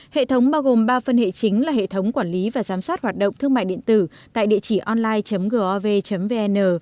hệ thống bao gồm ba phân hệ chính là hệ thống quản lý và giám sát hoạt động thương mại điện tử tại địa chỉ online gov vn